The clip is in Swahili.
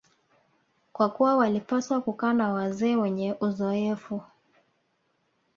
kwa kuwa walipaswa kukaa na wazee wenye uzoefu